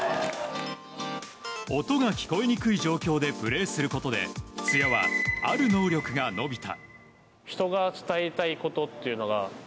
音が聞こえにくい状況でプレーすることで津屋は、ある能力が伸びた。